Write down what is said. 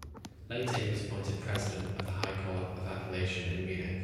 Later he was appointed president of the High Court of Appellation in Munich.